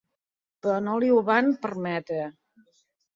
Però no li ho van permetre.